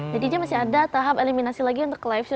jadi dia masih ada tahap eliminasi lagi untuk live show